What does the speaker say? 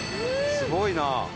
すごいなあ。